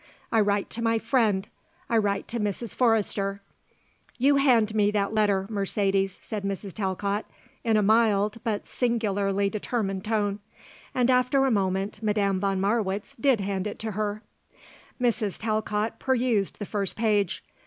I write to my friend. I write to Mrs. Forrester." "You hand me that letter, Mercedes," said Mrs. Talcott, in a mild but singularly determined tone, and after a moment Madame von Marwitz did hand it to her. Mrs. Talcott perused the first page.